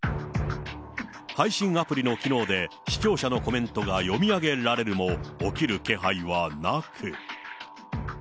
配信アプリの機能で、視聴者のコメントが読み上げられるも、起きる気配はなく。